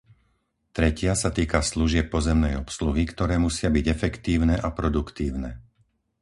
Tretia sa týka služieb pozemnej obsluhy, ktoré musia byť efektívne a produktívne.